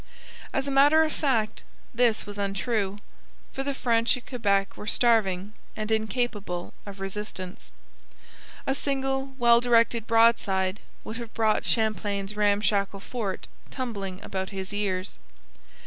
As a matter of fact this was untrue, for the French at Quebec were starving and incapable of resistance. A single well directed broadside would have brought Champlain's ramshackle fort tumbling about his ears.